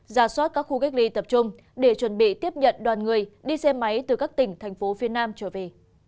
ra soát các khu cách ly tập trung để chuẩn bị tiếp nhận đón người đi xem máy từ các tỉnh thành phố phi nam trở về